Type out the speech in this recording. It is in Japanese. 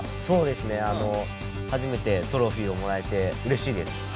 そうですね初めてトロフィーをもらえてうれしいです。